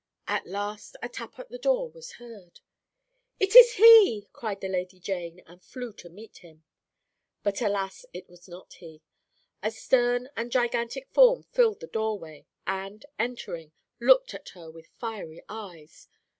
At last a tap at the door was heard. "'It is he!' cried the Lady Jane, and flew to meet him. "But alas! it was not he. A stern and gigantic form filled the door way, and, entering, looked at her with fiery eyes.